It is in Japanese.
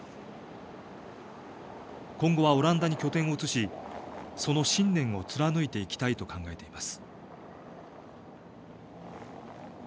今後はオランダに拠点を移しその信念を貫いていきたいと考えています。